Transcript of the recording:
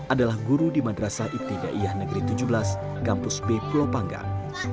adalah guru di madrasah ibtidaiyah negeri tujuh belas kampus b pulau panggang